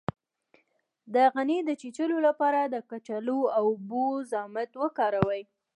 د غڼې د چیچلو لپاره د کچالو او اوبو ضماد وکاروئ